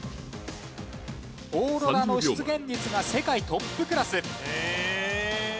オーロラの出現率が世界トップクラス。え！